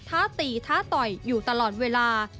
้าตีท้าต่อยอยู่ตลอดเวลา